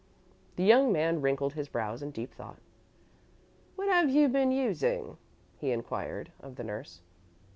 The young man wrinkled his brows in deep thought. "What have you been using?" he inquired, of the nurse.